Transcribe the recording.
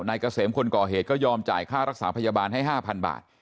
เกษมคนก่อเหตุก็ยอมจ่ายค่ารักษาพยาบาลให้๕๐๐บาท